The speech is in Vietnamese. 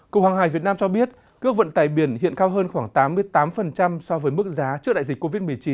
cục hàng hải việt nam cho biết cước vận tải biển hiện cao hơn khoảng tám mươi tám so với mức giá trước đại dịch covid một mươi chín